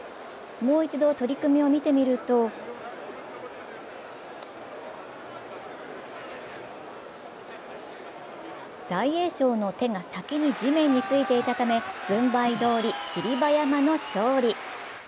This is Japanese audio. もう一度、取組を見てみると大栄翔の手が先に地面に着いていたため軍配どおり霧馬山の勝利。